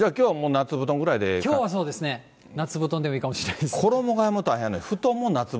じゃ、きょうはそうですね、夏布団でもいいかもしれないです。